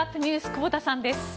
久保田さんです。